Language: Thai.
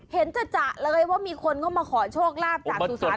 เห็นจัุจักเลยว่ามีคนนวก็มาขอโชคลาภจากสุสานเหล่านี้